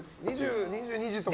２２時とか。